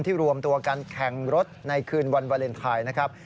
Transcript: รวมตัวกันแข่งรถในคืนวันวาเลนไทยนะครับ